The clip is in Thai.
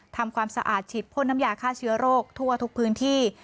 ทำความสะอาดฉีดพ่นน้ำยาฆ่าเชื้อโรคทั่วทุกพื้นที่